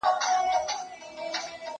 زه به سبا مړۍ وخورم؟